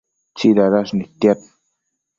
tsidadash nidtiad